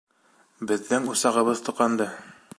Беҙҙең усағыбыҙ тоҡанды!